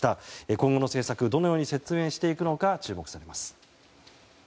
今後の政策、どのように説明していくのか注目されます。